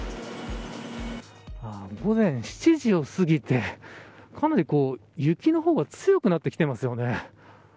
午前７時を過ぎてかなり雪の方が強くなってきてますよね。